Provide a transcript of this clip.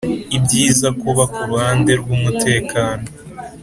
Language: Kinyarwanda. ibyiza kuba kuruhande rwumutekano